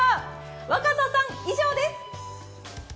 若狭さん、以上です。